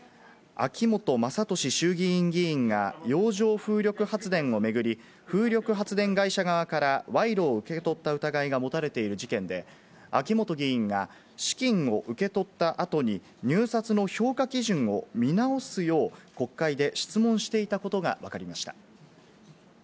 秋本真利衆議院議員が洋上風力発電を巡り、風力発電会社側から賄賂を受け取った疑いが持たれている事件で、秋本議員が資金を受け取った後に入札の評価基準を見直すよう、国会で質問していたことがわかりました。